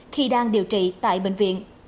khi đang điều trị tại bệnh viện